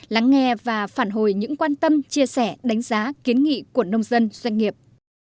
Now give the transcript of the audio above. lắng nghe và phản hồi những quan tâm chia sẻ đánh giá kiến nghị của nông dân doanh nghiệp